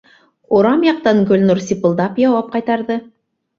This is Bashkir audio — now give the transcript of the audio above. Урам яҡтан Гөлнур сипылдап яуап ҡайтарҙы: